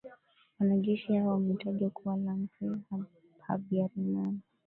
Wanajeshi hao wametajwa kuwa Jean Pierre Habyarimana